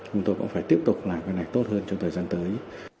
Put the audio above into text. chúng tôi cũng phải tiếp tục làm cái này tốt hơn trong thời gian tới